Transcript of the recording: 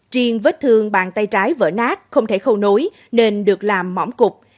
riêng vết thương bàn tay trái vỡ nát không thể khâu nối nên được làm mỏm cục